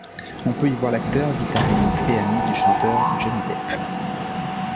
On peut y voir l'acteur, guitariste et ami du chanteur Johnny Depp.